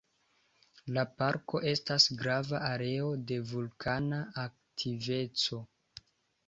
La parko estas grava areo de vulkana aktiveco.